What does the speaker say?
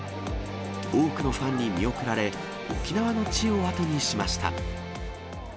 多くのファンに見送られ、沖縄の地を後にしました。